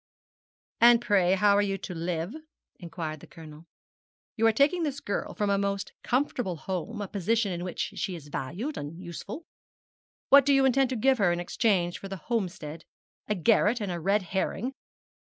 'And pray how are you to live?' inquired the Colonel. 'You are taking this girl from a most comfortable home a position in which she is valued and useful. What do you intend to give her in exchange for the Homestead? A garret and a red herring?'